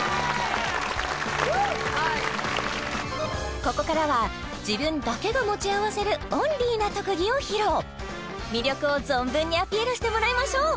ここからは自分だけが持ち合わせるオンリーな特技を披露魅力を存分にアピールしてもらいましょう！